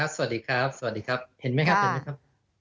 สวัสดีครับสวัสดีครับเห็นไหมครับ